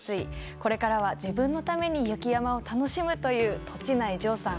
これからは自分のために雪山を楽しむという栃内譲さん